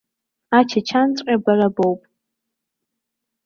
Ачачанҵәҟьа бара боуп.